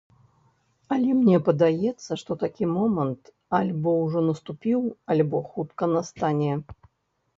Але мне падаецца, што такі момант альбо ужо наступіў, альбо хутка настане.